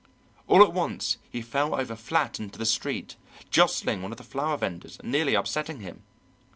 All at once he fell over flat into the street, jostling one of the flower venders and nearly upsetting him.